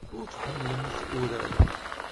Ur tḥemmlemt urar-a.